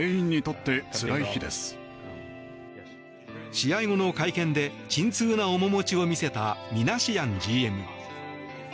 試合後の会見で沈痛な面持ちを見せたミナシアンＧＭ。